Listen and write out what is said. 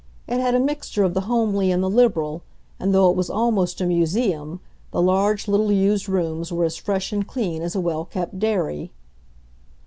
It had a mixture of the homely and the liberal, and though it was almost a museum, the large, little used rooms were as fresh and clean as a well kept dairy.